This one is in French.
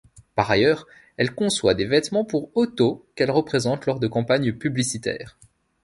Par ailleurs, elle conçoit des vêtements pour Otto qu'elle représente lors de campagnes publicitaires.